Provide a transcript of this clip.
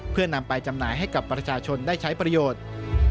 เพื่อนำไปจำหน่ายให้กับประชาชนได้ใช้ประโยชน์